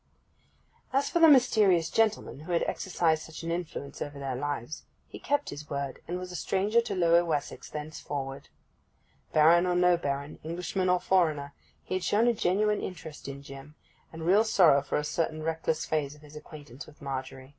As for the mysterious gentleman who had exercised such an influence over their lives, he kept his word, and was a stranger to Lower Wessex thenceforward. Baron or no Baron, Englishman or foreigner, he had shown a genuine interest in Jim, and real sorrow for a certain reckless phase of his acquaintance with Margery.